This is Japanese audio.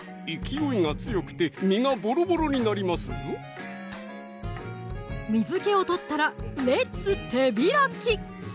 勢いが強くて身がぼろぼろになりますぞ水気を取ったらレッツ手開き！